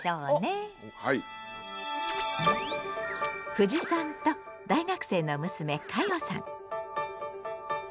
ふじさんと大学生の娘かよさん。